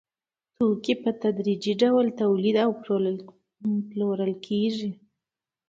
توکي په تدریجي ډول تولید او پلورل کېږي